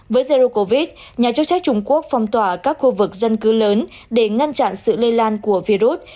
với jeru covid nhà chức trách trung quốc phong tỏa các khu vực dân cư lớn để ngăn chặn sự lây lan của virus